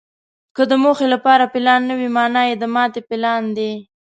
که د موخې لپاره پلان نه وي، مانا یې د ماتې پلان دی.